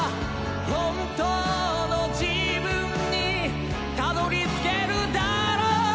本当の自分にたどりつけるだろう